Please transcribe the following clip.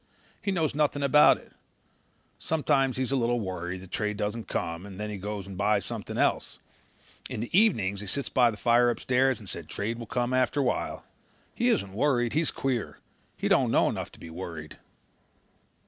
He knows nothing about it. Sometimes he's a little worried that trade doesn't come and then he goes and buys something else. In the evenings he sits by the fire upstairs and says trade will come after a while. He isn't worried. He's queer. He doesn't know enough to be worried."